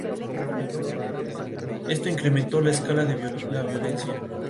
Esta versión está disponible en todos los álbumes recopilatorios que la banda ha lanzado.